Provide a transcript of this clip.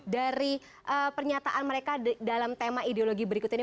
dari pernyataan mereka dalam tema ideologi berikut ini